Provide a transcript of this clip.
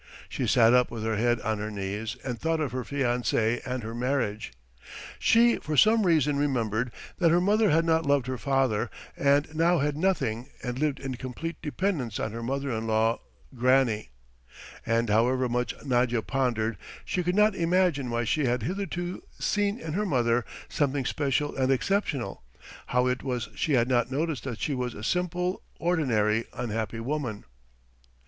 She sat up with her head on her knees and thought of her fiancé and her marriage. ... She for some reason remembered that her mother had not loved her father and now had nothing and lived in complete dependence on her mother in law, Granny. And however much Nadya pondered she could not imagine why she had hitherto seen in her mother something special and exceptional, how it was she had not noticed that she was a simple, ordinary, unhappy woman.